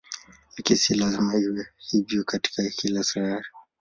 Lakini si lazima iwe hivyo kwa kila sayari.